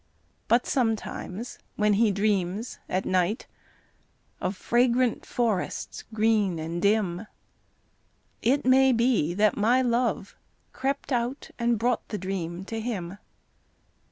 But sometimes when he dreams at night Of fragrant forests green and dim, It may be that my love crept out And brought the dream to him.